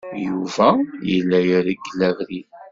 Yuba yella ireggel abrid.